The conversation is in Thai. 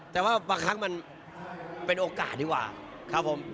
แต่ว่าบางครั้งมันเป็นโอกาสดีกว่าครับผม